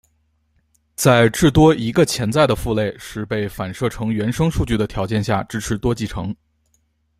在至多一个潜在的父类是被反射成原生数据的条件下支持多继承。